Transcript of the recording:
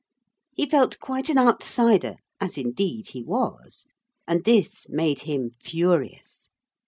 He felt quite an outsider, as indeed he was, and this made him furious.